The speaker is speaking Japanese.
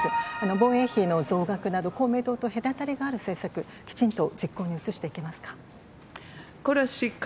防衛費の増額など、公明党と隔たりがある政策、きちんと実行に移していけますか。